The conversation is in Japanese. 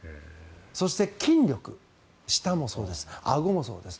そして筋力、舌もそうですあごもそうです。